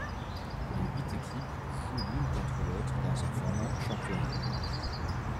Les huit équipes jouent l'une contre l'autre dans un format championnat.